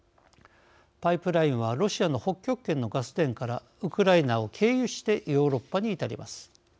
パイプラインはロシアの北極圏のガス田からウクライナを経由してヨーロッパに至ります。